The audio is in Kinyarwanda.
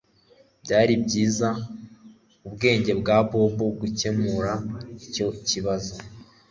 Byari byiza ubwenge bwa Bob gukemura icyo kibazo